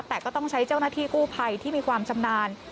แต่ก็ต้องใช้เจ้าหน้าที่กู้ภัยที่มีความชำนาญ